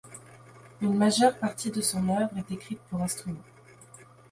Une majeure partie de son œuvre est écrite pour instrument.